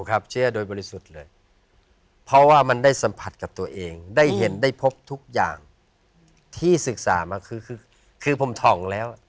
เชื่อโดยบริสุทธิ์เลยเพราะว่ามันได้สัมผัสกับตัวเองได้เห็นได้พบทุกอย่างที่ศึกษามาคือคือผมถ่องแล้ว